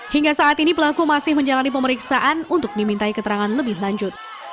hingga saat ini pelaku masih menjalani pemeriksaan untuk dimintai keterangan lebih lanjut